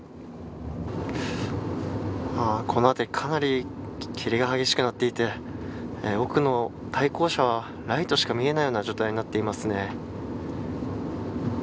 この辺りかなり霧が激しくなっていて奥の対向車はライトしか見えないような状態になっていますね。